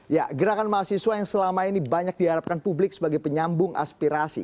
ya gerakan mahasiswa yang selama ini banyak diharapkan publik sebagai penyambung aspirasi